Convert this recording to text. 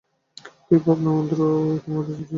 কী পাবনমন্ত্র তার মধ্যে প্রচ্ছন্ন!